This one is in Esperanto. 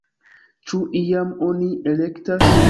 Ĉu iam oni elektas?